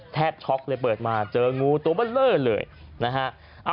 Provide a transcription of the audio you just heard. แพทย์ช็อคเลยเปิดมาเจองลูกตัวเยอะเลยนะฮะ